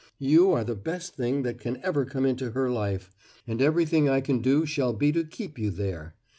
You are the best thing that can ever come into her life, and everything I can do shall be to keep you there.